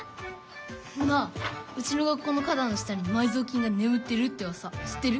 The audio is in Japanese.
なあうちの学校の花だんの下に埋蔵金がねむってるってうわさ知ってる？